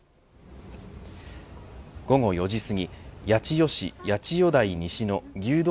午後４時すぎ八千代市八千代台西の牛丼